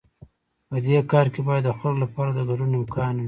په دې کار کې باید د خلکو لپاره د ګډون امکان وي.